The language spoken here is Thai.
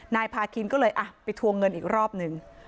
นายพาคินก็เลยไปทวงเงินอีกรอบหนึ่ง